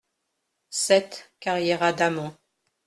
sept carriera d'Amont